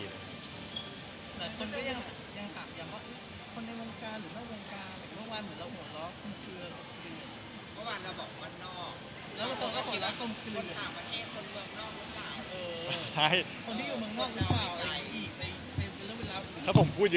เหรอว่างวันเหมือนเราบอกเรางค์คือ